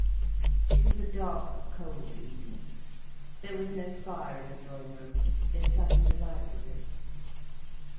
It was a dark, cold evening. There was no fire in the drawing room, they sat in the library.